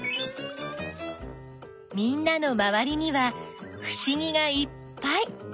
みんなのまわりにはふしぎがいっぱい！